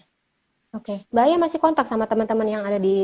mbak ayah masih kontak sama temen temen yang ada di